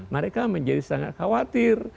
mereka menjadi sangat khawatir